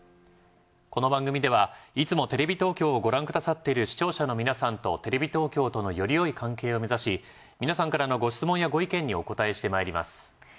この番組ではいつもテレビ東京をご覧くださっている視聴者の皆さんとテレビ東京とのよりよい関係を目指し皆さんからのご質問やご意見にお答えしてまいります。